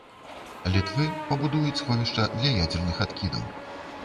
Літвы, пабудуюць сховішча для ядзерных адкідаў.